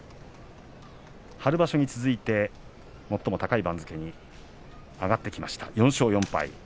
春場所に続いて最も高い番付に上がってきました、４勝４敗。